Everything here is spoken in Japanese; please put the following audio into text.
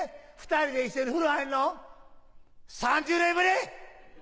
２人で一緒に風呂入るの３０年ぶり？